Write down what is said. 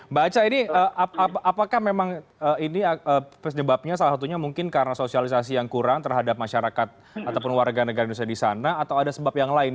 mbak aca ini apakah memang ini penyebabnya salah satunya mungkin karena sosialisasi yang kurang terhadap masyarakat ataupun warga negara indonesia di sana atau ada sebab yang lain